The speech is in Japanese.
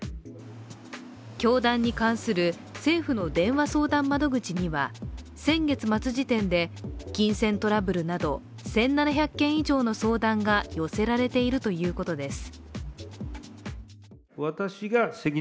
教団に関する政府の電話相談窓口には先月末時点で金銭トラブルなど１７００件以上の相談が寄せられているということです。